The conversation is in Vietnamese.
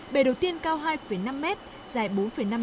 bể đầu tiên cao hai năm m dài bốn năm m sâu bảy mươi cm được hoàn thành